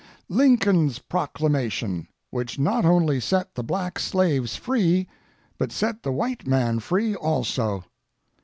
Lincoln's proclamation, which not only set the black slaves free, but set the white man free also.